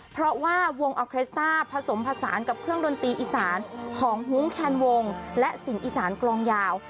เพราะว่าวงออเครสต้าผสมผสานกับเครื่องดนตรีอีสานของฮุ้งแคนวงและสิ่งอีสานกลองยาว